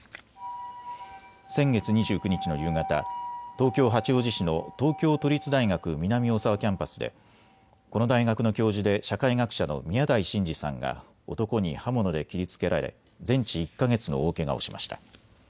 先月２９日の夕方、東京八王子市の東京都立大学南大沢キャンパスでこの大学の教授で社会学者の宮台真司さんが男に刃物で切りつけられ全治１か月の大けがをしました。